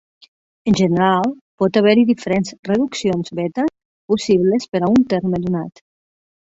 En general, pot haver-hi diferents reduccions beta possibles per a un terme donat.